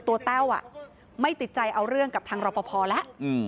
แต้วไม่ติดใจเอาเรื่องกับทางรอปภแล้ว